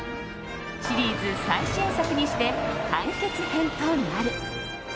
シリーズ最新作にして完結編となる。